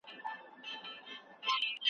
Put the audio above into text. ستا د تن سايه